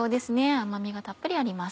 甘みがたっぷりあります。